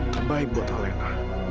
terbaik buat alena